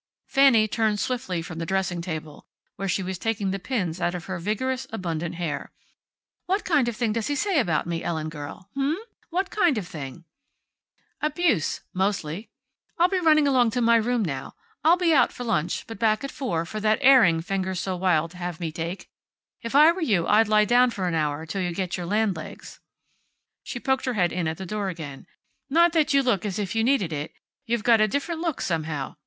Fanny turned swiftly from the dressing table, where she was taking the pins out of her vigorous, abundant hair. "What kind of thing does he say about me, Ellen girl. H'm? What kind of thing?" "Abuse, mostly. I'll be running along to my own room now. I'll be out for lunch, but back at four, for that airing Fenger's so wild to have me take. If I were you I'd lie down for an hour, till you get your land legs." She poked her head in at the door again. "Not that you look as if you needed it. You've got a different look, somehow.